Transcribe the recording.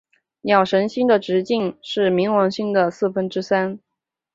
鸟神星的直径大约是冥王星的四分之三。